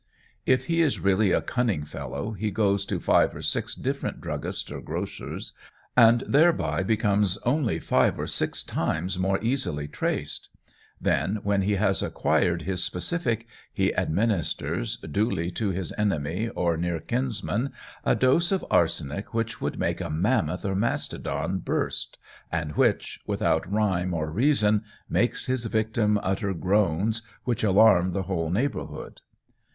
If he is really a cunning fellow he goes to five or six different druggists or grocers, and thereby becomes only five or six times more easily traced; then, when he has acquired his specific, he administers duly to his enemy or near kinsman a dose of arsenic which would make a mammoth or mastodon burst, and which, without rhyme or reason, makes his victim utter groans which alarm the whole neighbourhood.